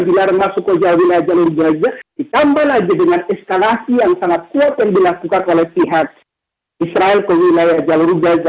karena masuk ke wilayah jalur gaza ditambah lagi dengan eskalasi yang sangat kuat yang dilakukan oleh pihak israel ke wilayah jalur gaza